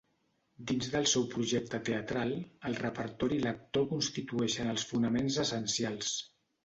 Dins del seu projecte teatral, el repertori i l'actor constitueixen els fonaments essencials.